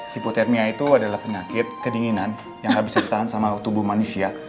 hipotermia itu adalah penyakit kedinginan yang habis ditahan sama tubuh manusia